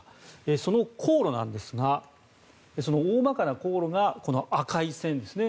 その航路ですが大まかな航路がこの赤い線ですね。